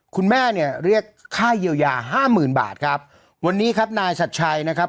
คุณแม่เนี่ยเรียกค่าเยียวยาห้าหมื่นบาทครับวันนี้ครับนายชัดชัยนะครับ